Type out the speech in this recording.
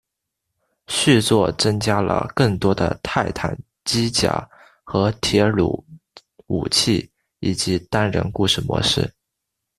续作增加了更多的泰坦机甲和铁驭武器以及单人故事模式。